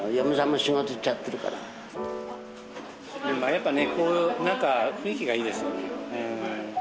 やっぱりねなんか雰囲気がいいですよね。